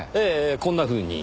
こんなふうに。